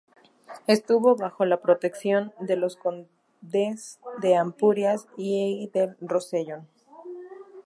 Estuvo bajo la protección de los condes de Ampurias y del Rosellón.